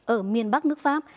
ở miền bắc nước pháp